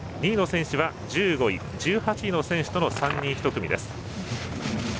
２位の選手は１５位、１８位の選手との３人１組です。